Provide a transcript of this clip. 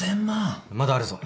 まだあるぞ。